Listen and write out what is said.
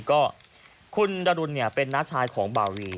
ก็คุณดารุณเนี่ยเป็นน้าชายของเบ่าวี